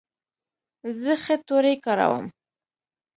زه ښه توري کاروم.